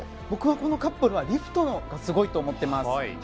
僕は、このカップルはリフトがすごいと思っています。